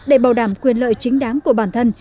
để bảo đảm quyền lợi chính đáng của bản thân